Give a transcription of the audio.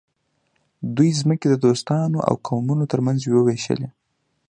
دوی ځمکې د دوستانو او قومونو ترمنځ وویشلې.